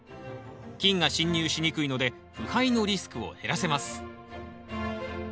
菌が侵入しにくいので腐敗のリスクを減らせます。